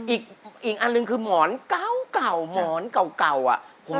อีกอันหนึ่งคือหมอนเก่าหมอนเก่าอ่ะ